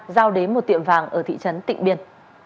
giao đến một tiệm vàng ở thị trấn tịnh biên